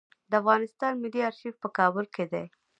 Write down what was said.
د افغانستان ملي آرشیف په کابل کې دی